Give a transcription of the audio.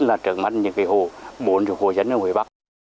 và trưởng mắt những cái hồ bốn mươi hồ dân ở hồi bắc